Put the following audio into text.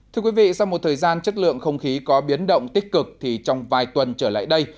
thưa quý vị sau một thời gian chất lượng không khí có biến động tích cực thì trong vài tuần trở lại đây